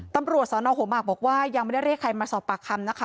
ตำรวจสนหัวหมากบอกว่ายังไม่ได้เรียกใครมาสอบปากคำนะคะ